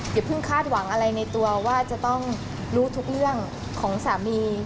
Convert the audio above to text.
อย่าเพิ่งคาดหวังอะไรในตัวว่าจะต้องรู้ทุกเรื่องของสามี